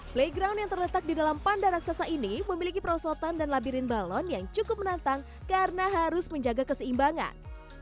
playground yang terletak di dalam panda raksasa ini memiliki perosotan dan labirin balon yang cukup menantang karena harus menjaga keseimbangan